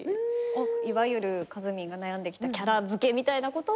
いわゆるかずみんが悩んできたキャラ付けみたいなことは。